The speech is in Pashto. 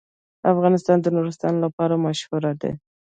افغانستان د نورستان لپاره مشهور دی.